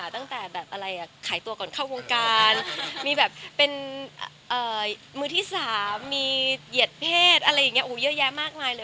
ตั้งแต่แบบอะไรขายตัวก่อนเข้าวงการมีแบบเป็นมือที่๓มีเหยียดเพศอะไรอย่างนี้เยอะแยะมากมายเลย